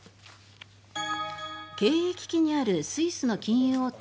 経営危機にあるスイスの金融大手